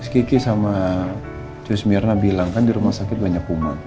kiki sama cus myrna bilang kan di rumah sakit banyak umat